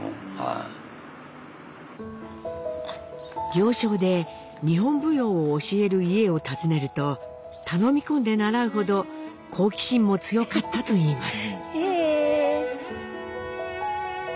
行商で日本舞踊を教える家を訪ねると頼み込んで習うほど好奇心も強かったといいます。